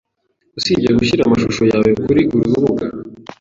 Usibye gushyira amashusho yawe kuri uru rubuga